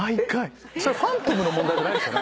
それファントムの問題じゃないんですかね？